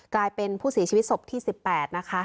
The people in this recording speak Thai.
กลายเป็นผู้เสียชีวิตศพที่๑๘นะคะ